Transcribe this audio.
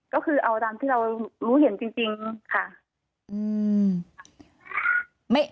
ก็คือเอาตามที่เรารู้เห็นจริงค่ะ